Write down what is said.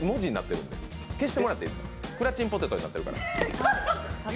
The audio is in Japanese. クラチンポテトになってるから。